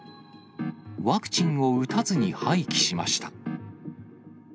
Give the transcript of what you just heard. ワクチンを打たずに廃棄しました。